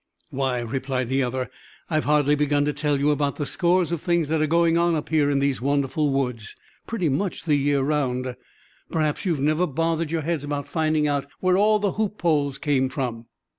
"Why," replied the other, "I've hardly begun to tell you about the scores of things that are going on up here in these wonderful woods, pretty much the year round. Perhaps you've never bothered your heads about finding out where all the hoop poles come from.